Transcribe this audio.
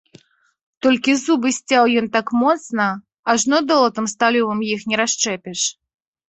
Толькі зубы сцяў ён так моцна, ажно долатам сталёвым іх не расшчэпіш.